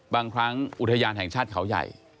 บางครั้งอุทยานแห่งชาติเขาใหญ่